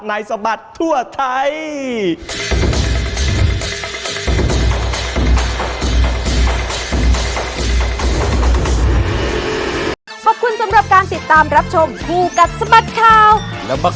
ในสบัดทั่วท้าย